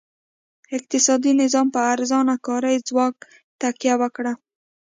اقتصادي نظام پر ارزانه کاري ځواک تکیه وکړه.